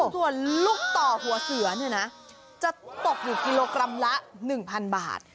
ส่วนลูกต่อหัวเสือเนี่ยนะจะตกอยู่กิโลกรัมละ๑๐๐๐บาท